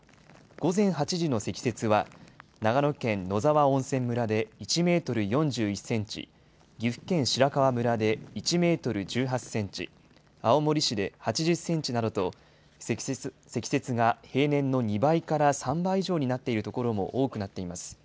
午前８時の積雪は、長野県野沢温泉村で１メートル４１センチ、岐阜県白川村で１メートル１８センチ、青森市で８０センチなどと、積雪が平年の２倍から３倍以上になっている所も多くなっています。